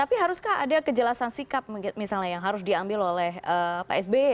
tapi haruskah ada kejelasan sikap misalnya yang harus diambil oleh pak sby